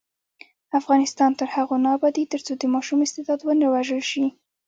افغانستان تر هغو نه ابادیږي، ترڅو د ماشوم استعداد ونه وژل شي.